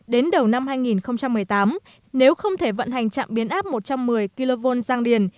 đến đầu năm hai nghìn một mươi tám nếu không thể vận hành trạm biến áp một trăm một mươi kv giang điền